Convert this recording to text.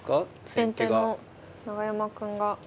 先手の永山くんが。